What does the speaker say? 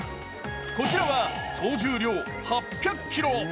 こちらは総重量８００ｋｇ。